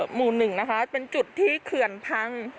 หมู่๑นะคะเป็นจุดที่เขื่อนพัง